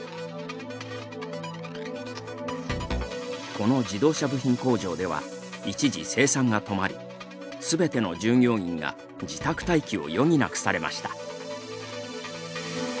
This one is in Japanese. この自動車部品工場では一時、生産が止まりすべての従業員が自宅待機を余儀なくされました。